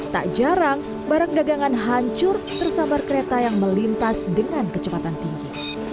tak jarang barang dagangan hancur tersambar kereta yang melintas dengan kecepatan tinggi